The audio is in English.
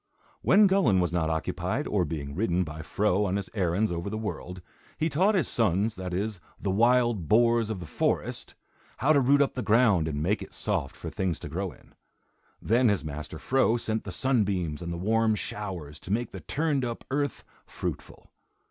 When Gullin was not occupied, or being ridden by Fro on his errands over the world, he taught his sons, that is, the wild boars of the forest, how to root up the ground and make it soft for things to grow in. Then his master Fro sent the sunbeams and the warm showers to make the turned up earth fruitful.